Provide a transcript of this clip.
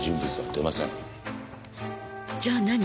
じゃあ何？